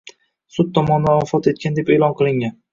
Sud tomonidan vafot etgan deb e’lon qilingan